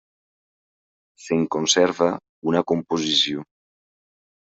Se'n conserva una composició.